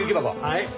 はい。